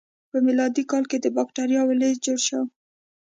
په میلادي کال کې د بکتریاوو لست جوړ شو.